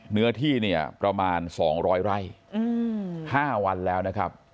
เนื้อที่เนี่ยประมาณ๒๐๐ไร่๕วันแล้วนะครับ